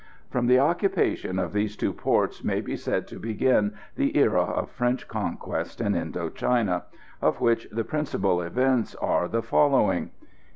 From the occupation of these two ports may be said to begin the era of French conquest in Indo China, of which the principal events are the following: 1867.